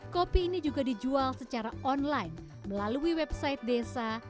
kopi ini juga dijual secara online melalui website desa